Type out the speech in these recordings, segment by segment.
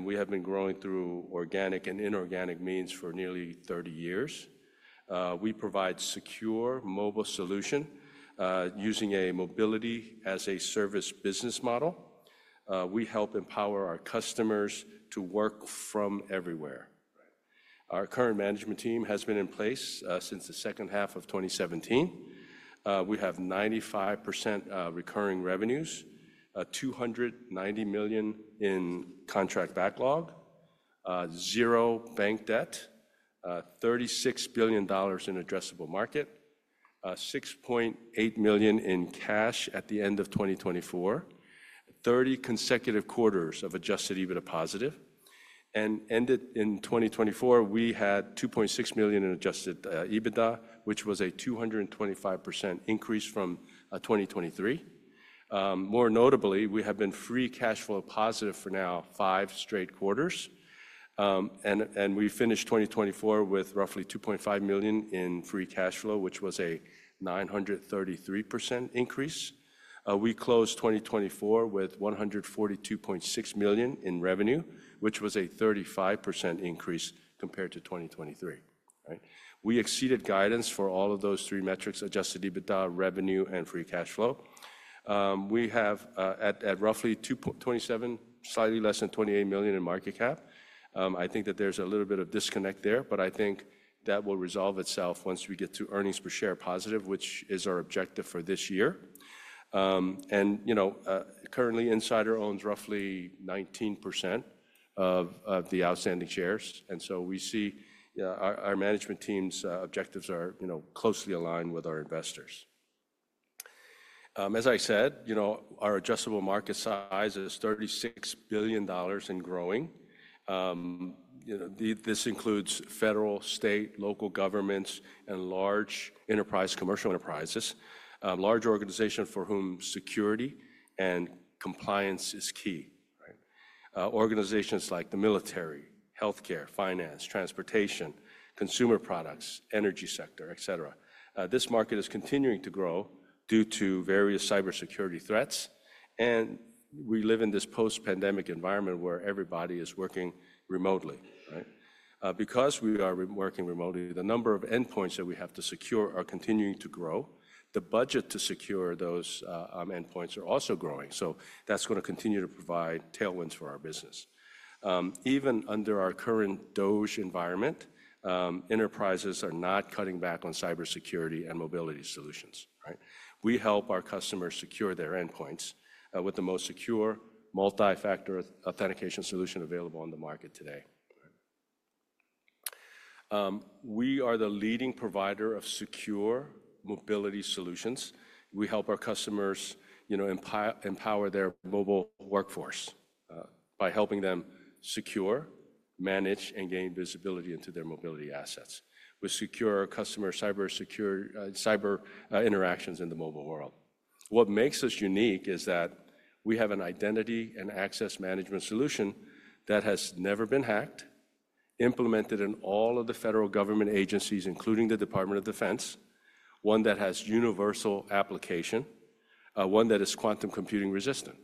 We have been growing through organic and inorganic means for nearly 30 years. We provide secure, mobile solutions using a mobility-as-a-service business model. We help empower our customers to work from everywhere. Our current management team has been in place since the second half of 2017. We have 95% recurring revenues, $290 million in contract backlog, zero bank debt, $36 billion in addressable market, $6.8 million in cash at the end of 2024, 30 consecutive quarters of adjusted EBITDA positive. At the end of 2024, we had $2.6 million in adjusted EBITDA, which was a 225% increase from 2023. More notably, we have been free cash flow positive for now five straight quarters. We finished 2024 with roughly $2.5 million in free cash flow, which was a 933% increase. We closed 2024 with $142.6 million in revenue, which was a 35% increase compared to 2023. We exceeded guidance for all of those three metrics: adjusted EBITDA, revenue, and free cash flow. We have at roughly $27 million, slightly less than $28 million in market cap. I think that there's a little bit of disconnect there, but I think that will resolve itself once we get to earnings per share positive, which is our objective for this year. You know, currently, Insider owns roughly 19% of the outstanding shares. We see our management team's objectives are closely aligned with our investors. As I said, you know, our adjustable market size is $36 billion and growing. This includes federal, state, local governments, and large enterprise, commercial enterprises, large organizations for whom security and compliance is key. Organizations like the military, healthcare, finance, transportation, consumer products, energy sector, et cetera. This market is continuing to grow due to various cybersecurity threats. We live in this post-pandemic environment where everybody is working remotely. Because we are working remotely, the number of endpoints that we have to secure are continuing to grow. The budget to secure those endpoints is also growing. That is going to continue to provide tailwinds for our business. Even under our current DOGE environment, enterprises are not cutting back on cybersecurity and mobility solutions. We help our customers secure their endpoints with the most secure multi-factor authentication solution available on the market today. We are the leading provider of secure mobility solutions. We help our customers empower their mobile workforce by helping them secure, manage, and gain visibility into their mobility assets. We secure our customer cybersecurity cyber interactions in the mobile world. What makes us unique is that we have an Identity and Access Management solution that has never been hacked, implemented in all of the federal government agencies, including the Department of Defense, one that has universal application, one that is quantum computing resistant.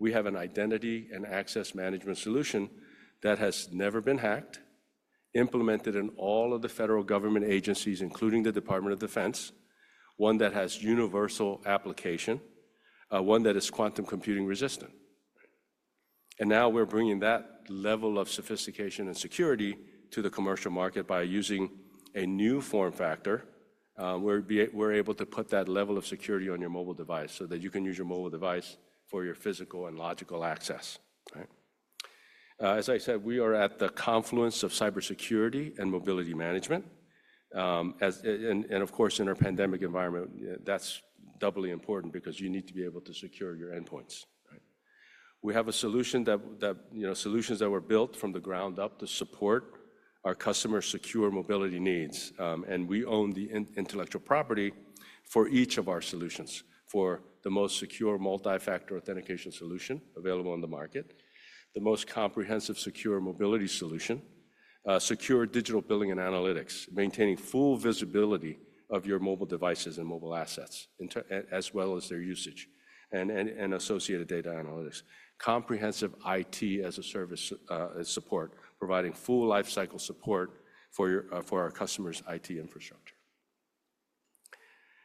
Now we're bringing that level of sophistication and security to the commercial market by using a new form factor where we're able to put that level of security on your mobile device so that you can use your mobile device for your physical and logical access. As I said, we are at the confluence of cybersecurity and mobility management. Of course, in our pandemic environment, that's doubly important because you need to be able to secure your endpoints. We have a solution that, you know, solutions that were built from the ground up to support our customers' secure mobility needs. We own the intellectual property for each of our solutions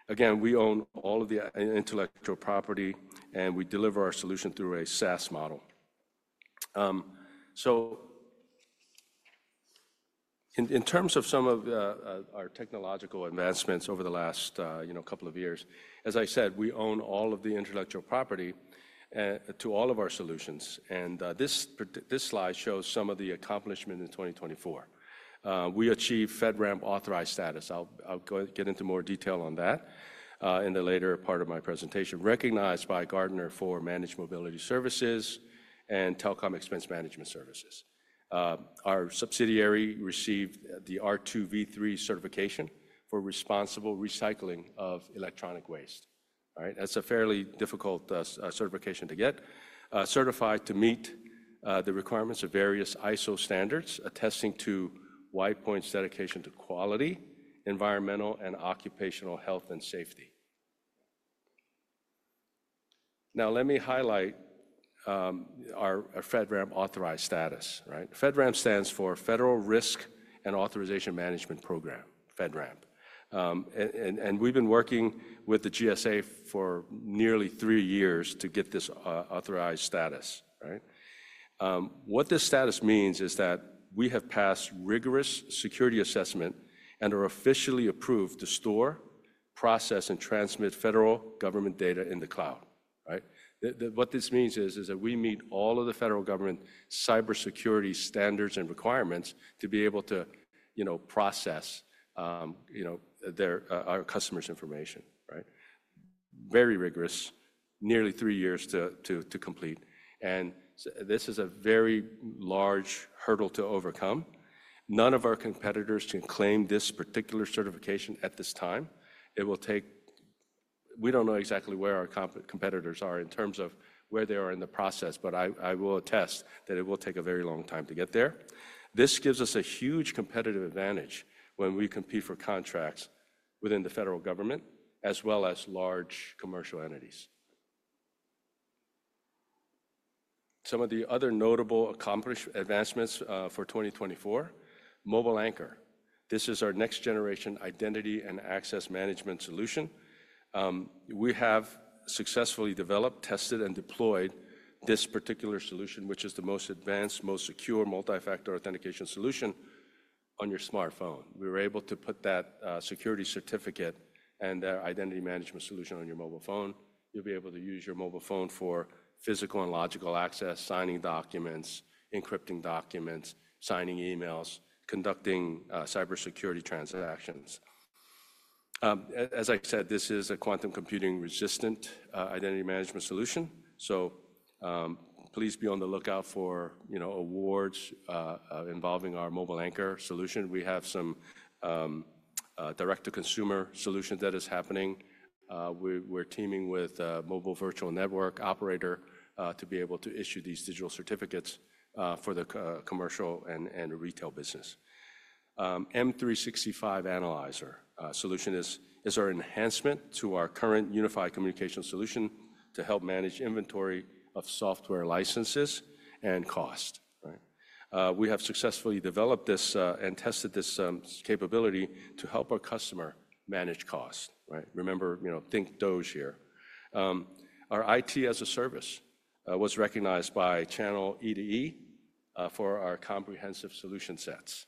Again, we own all of the intellectual property, and we deliver our solution through a SaaS model. In terms of some of our technological advancements over the last couple of years, as I said, we own all of the intellectual property to all of our solutions. This slide shows some of the accomplishments in 2024. We achieved FedRAMP authorized status. I will get into more detail on that in the later part of my presentation, recognized by Gartner for managed mobility services and telecom expense management services. Our subsidiary received the R2V3 certification for responsible recycling of electronic waste. That is a fairly difficult certification to get, certified to meet the requirements of various ISO standards, attesting to WidePoint's dedication to quality, environmental, and occupational health and safety. Now, let me highlight our FedRAMP authorized status. FedRAMP stands for Federal Risk and Authorization Management Program, FedRAMP. We have been working with the General Services Administration for nearly three years to get this authorized status. What this status means is that we have passed rigorous security assessment and are officially approved to store, process, and transmit federal government data in the cloud. What this means is that we meet all of the federal government cybersecurity standards and requirements to be able to process our customers' information. Very rigorous, nearly three years to complete. This is a very large hurdle to overcome. None of our competitors can claim this particular certification at this time. We do not know exactly where our competitors are in terms of where they are in the process, but I will attest that it will take a very long time to get there. This gives us a huge competitive advantage when we compete for contracts within the federal government, as well as large commercial entities. Some of the other notable accomplished advancements for 2024: Mobile Anchor. This is our next-generation identity and access management solution. We have successfully developed, tested, and deployed this particular solution, which is the most advanced, most secure multi-factor authentication solution on your smartphone. We were able to put that security certificate and identity management solution on your mobile phone. You'll be able to use your mobile phone for physical and logical access, signing documents, encrypting documents, signing emails, conducting cybersecurity transactions. As I said, this is a quantum computing resistant identity management solution. Please be on the lookout for awards involving our Mobile Anchor solution. We have some direct-to-consumer solutions that are happening. We're teaming with a mobile virtual network operator to be able to issue these digital certificates for the commercial and retail business. M365 Analyzer solution is our enhancement to our current unified communication solution to help manage inventory of software licenses and cost. We have successfully developed this and tested this capability to help our customer manage cost. Remember, think DOGE here. Our IT as a service was recognized by Channel EDE for our comprehensive solution sets.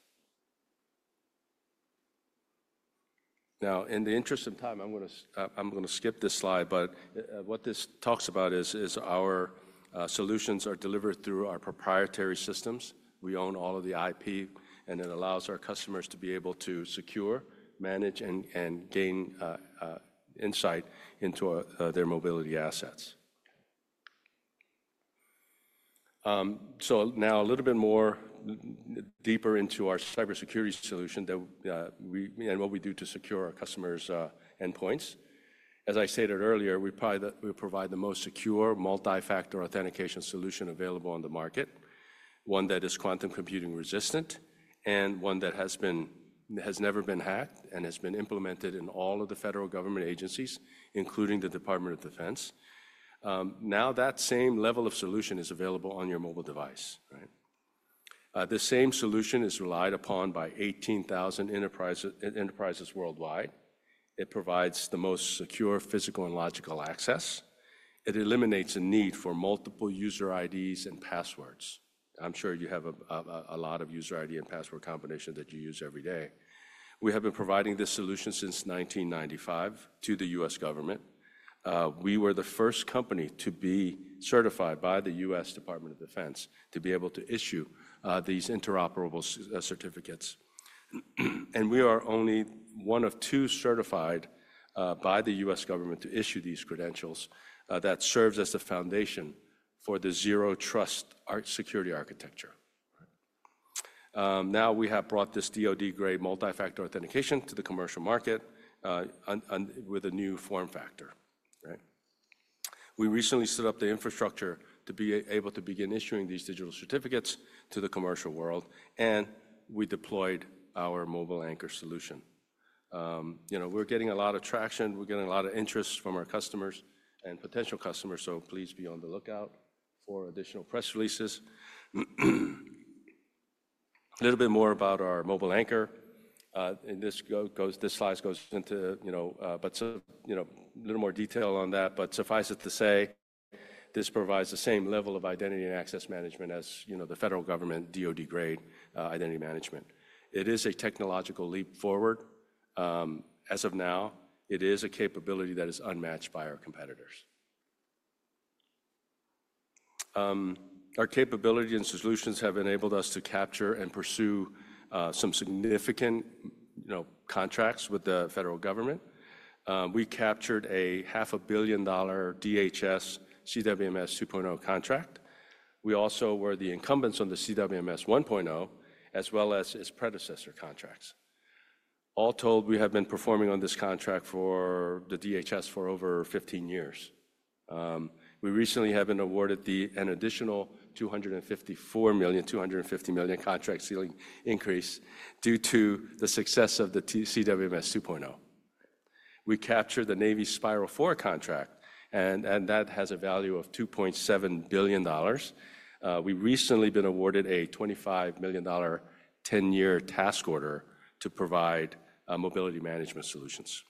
Now, in the interest of time, I'm going to skip this slide. What this talks about is our solutions are delivered through our proprietary systems. We own all of the IP, and it allows our customers to be able to secure, manage, and gain insight into their mobility assets. Now a little bit more deeper into our cybersecurity solution and what we do to secure our customers' endpoints. As I stated earlier, we provide the most secure multi-factor authentication solution available on the market, one that is quantum computing resistant and one that has never been hacked and has been implemented in all of the federal government agencies, including the Department of Defense. Now that same level of solution is available on your mobile device. The same solution is relied upon by 18,000 enterprises worldwide. It provides the most secure physical and logical access. It eliminates a need for multiple user IDs and passwords. I'm sure you have a lot of user ID and password combinations that you use every day. We have been providing this solution since 1995 to the U.S. government. We were the first company to be certified by the U.S. Department of Defense to be able to issue these interoperable certificates. We are only one of two certified by the U.S. government to issue these credentials that serve as the foundation for the zero trust security architecture. Now we have brought this DOD-grade multi-factor authentication to the commercial market with a new form factor. We recently set up the infrastructure to be able to begin issuing these digital certificates to the commercial world. We deployed our Mobile Anchor solution. We're getting a lot of traction. We're getting a lot of interest from our customers and potential customers. Please be on the lookout for additional press releases. A little bit more about our Mobile Anchor. This slide goes into a little more detail on that. Suffice it to say, this provides the same level of identity and access management as the federal government DOD-grade identity management. It is a technological leap forward. As of now, it is a capability that is unmatched by our competitors. Our capability and solutions have enabled us to capture and pursue some significant contracts with the federal government. We captured a $500,000,000 DHS CWMS 2.0 contract. We also were the incumbents on the CWMS 1.0, as well as its predecessor contracts. All told, we have been performing on this contract for the DHS for over 15 years. We recently have been awarded an additional $254 million, $250 million contract ceiling increase due to the success of the CWMS 2.0. We captured the Navy Spiral 4 contract, and that has a value of $2.7 billion. We recently have been awarded a $25 million 10-year task order to provide mobility management solutions.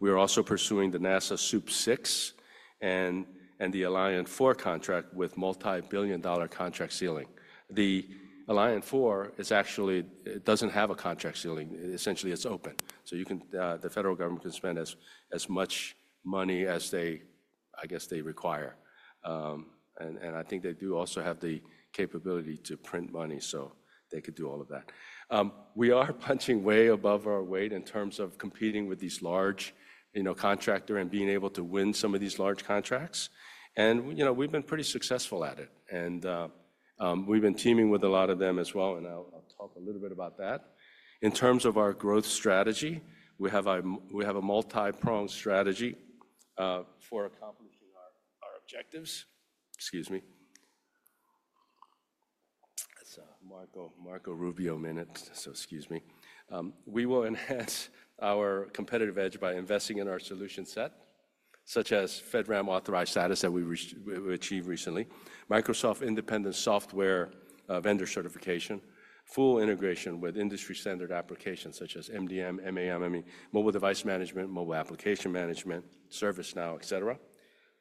We are also pursuing the NASA SUP 6 and the Alliant 4 contract with multi-billion dollar contract ceiling. The Alliant 4 actually doesn't have a contract ceiling. Essentially, it's open. The federal government can spend as much money as they, I guess, they require. I think they do also have the capability to print money so they could do all of that. We are punching way above our weight in terms of competing with these large contractors and being able to win some of these large contracts. We've been pretty successful at it. We've been teaming with a lot of them as well. I'll talk a little bit about that. In terms of our growth strategy, we have a multi-pronged strategy for accomplishing our objectives. Excuse me. It's Marco Rubio Minute. Excuse me. We will enhance our competitive edge by investing in our solution set, such as FedRAMP authorized status that we achieved recently, Microsoft independent software vendor certification, full integration with industry-standard applications such as MDM, MAM, I mean, mobile device management, mobile application management, ServiceNow, et cetera.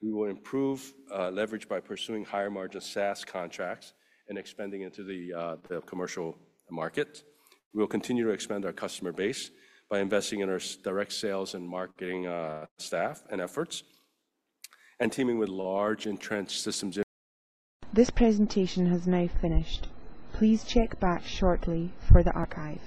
We will improve leverage by pursuing higher margin SaaS contracts and expanding into the commercial market. We will continue to expand our customer base by investing in our direct sales and marketing staff and efforts and teaming with large entrenched systems. This presentation has now finished. Please check back shortly for the archive.